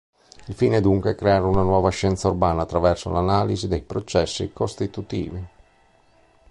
Il fine è dunque creare una nuova scienza urbana attraverso l'analisi dei processi costitutivi.